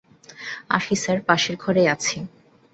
আসি স্যার, পাশের ঘরেই আছি!